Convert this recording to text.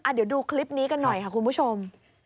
เดี๋ยวดูคลิปนี้กันหน่อยค่ะคุณผู้ชม